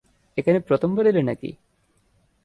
এখানে প্রথমবার এলে নাকি?